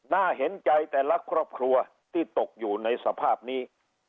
น่าเห็นใจแต่ละครอบครัวที่ตกอยู่ในสภาพนี้